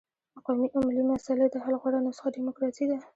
د قومي او ملي مسلې د حل غوره نسخه ډیموکراسي ده.